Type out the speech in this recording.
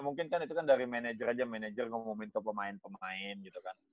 mungkin kan itu kan dari manajer aja manajer ngomongin ke pemain pemain gitu kan